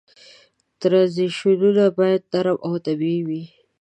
ترنزیشنونه باید نرم او طبیعي وي.